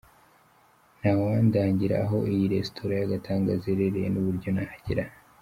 "Ntawandangira aho iyi resitora y'agatangaza iherereye n'uburyo nahagera?".